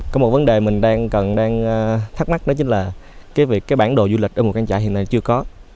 có một vấn đề mình đang thắc mắc đó chính là cái bản đồ du lịch ở ngũ căng trải hiện nay chưa có